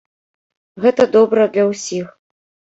Гэта добра для ўсіх.